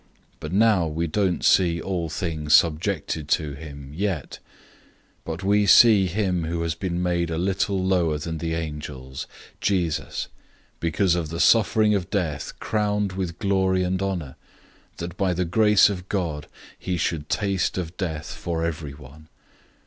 But now we don't see all things subjected to him, yet. 002:009 But we see him who has been made a little lower than the angels, Jesus, because of the suffering of death crowned with glory and honor, that by the grace of God he should taste of death for everyone.